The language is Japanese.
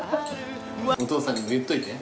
お父さんにも言っといて。